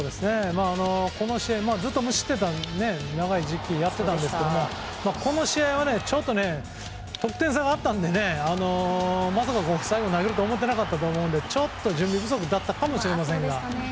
この試合、ずっと無失点で長い時期やってたんですけどこの試合はちょっと得点差があったのでまさか最後投げると思ってなかったと思うのでちょっと準備不足だったかもしれませんが。